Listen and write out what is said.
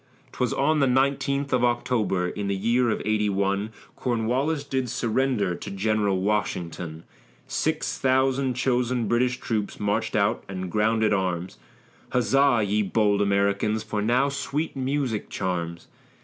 'Twas on the nineteenth of October, in the year of '81, Cornwallis did surrender to General Washington; Six thousand chosen British troops march'd out and grounded arms; Huzza, ye bold Americans, for now sweet music charms.